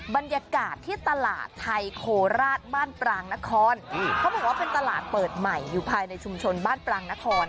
บรรยากาศที่ตลาดไทยโคราชบ้านปรางนครเขาบอกว่าเป็นตลาดเปิดใหม่อยู่ภายในชุมชนบ้านปรางนคร